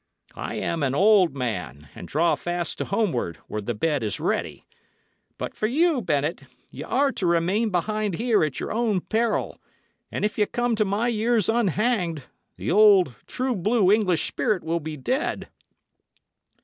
I am an old man, and draw fast to homeward, where the bed is ready. But for you, Bennet, y' are to remain behind here at your own peril, and if ye come to my years unhanged, the old true blue English spirit will be dead."